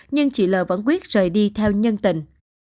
nhưng chị l vẫn quyết rời đi theo nhân tình